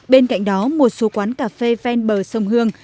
bên cạnh đó một số quán cà phê ven bờ sông hương